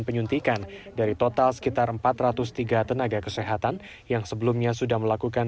penyuntikan dari total sekitar empat ratus tiga tenaga kesehatan yang sebelumnya sudah melakukan